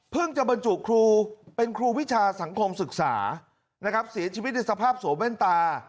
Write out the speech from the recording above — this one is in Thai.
จะบรรจุครูเป็นครูวิชาสังคมศึกษานะครับเสียชีวิตในสภาพสวมแว่นตา